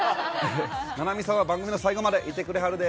菜波さんは、番組の最後までいてくれはるで。